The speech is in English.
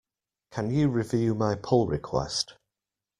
Can you review my pull request?